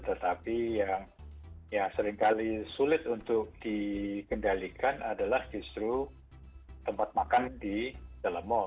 tetapi yang seringkali sulit untuk dikendalikan adalah justru tempat makan di dalam mal